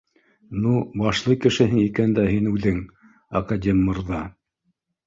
Ну башлы кешеһең икән дә һин үҙең, академ мырҙа